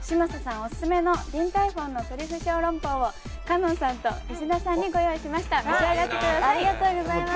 オススメの、ディンタイフォンのトリュフ小籠包を香音さんと石田さんにご用意しました。